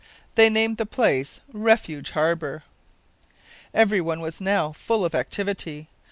They named the place "Refuge Harbour." Everyone was now full of activity.